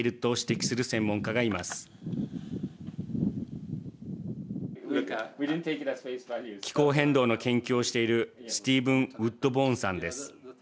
気候変動の研究をしているスティーブン・ウッドボーンさんです。